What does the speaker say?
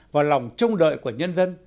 và lòng trông đợi của nhân dân